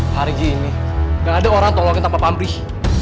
hari gini gak ada orang tolongin tanpa pamrih